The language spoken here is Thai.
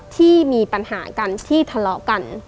ที่มีปัญหากันที่ทะเลาะกัน